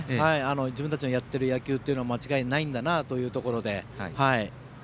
自分たちのやっている野球は間違いないんだなというところで。